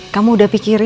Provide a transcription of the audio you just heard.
kamu sudah pikirkan